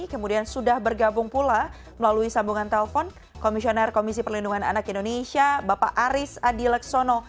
kemudian sudah bergabung pula melalui sambungan telpon komisioner komisi perlindungan anak indonesia bapak aris adilaksono